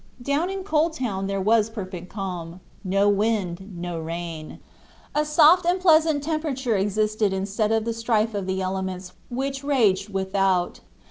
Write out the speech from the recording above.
Down in Coal Town there was perfect calm; no wind, no rain. A soft and pleasant temperature existed instead of the strife of the elements which raged without.